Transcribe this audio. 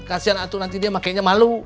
kasian atu nanti dia makainya malu